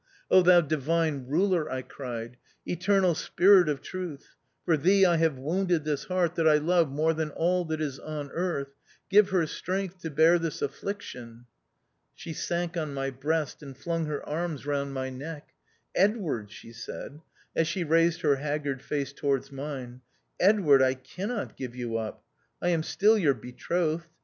Thou Divine Ruler," I cried, " eternal Spirit of Truth, for Thee I have wounded this heart that I love more than all that is on earth. Give her strength to bear this affliction." She sank on my breast, and flung her arms round my neck. " Edward," she said, as she raised her haggard face towards mine, " Edward, I cannot give you up. I am still your betrothed.